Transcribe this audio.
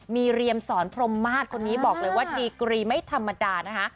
มีเรียมสอนพรมมาศคนนี้บอกเลยว่าดีกรีไม่ธรรมดานะคะ